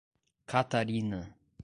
Catarina